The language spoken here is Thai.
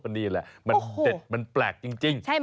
นี่แหละมันแบบแปลกจริง